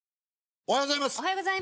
おはようございます。